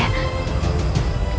benar ibu nda